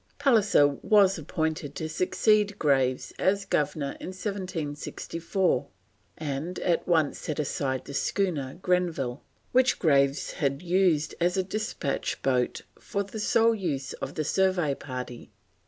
Pallisser was appointed to succeed Graves as Governor in 1764, and at once set aside the schooner Grenville, which Graves had used as a despatch boat for the sole use of the survey party.